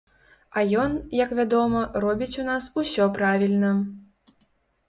А ён, як вядома, робіць у нас усё правільна.